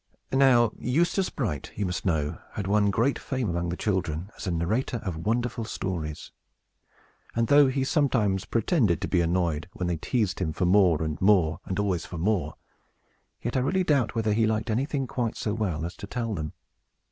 Now, Eustace Bright, you must know, had won great fame among the children, as a narrator of wonderful stories; and though he sometimes pretended to be annoyed, when they teased him for more, and more, and always for more, yet I really doubt whether he liked anything quite so well as to tell them.